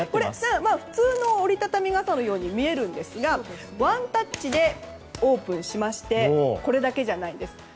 普通の折り畳み傘のように見えるんですがワンタッチでオープンしましてこれだけじゃないんです。